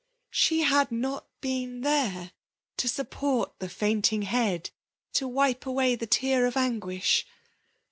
She had not been there to support the fainting head, to wipe away the tear of anguish.